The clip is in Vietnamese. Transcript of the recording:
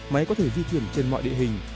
máy có thể di chuyển trên mọi địa hình